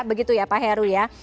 begitu ya pak heru ya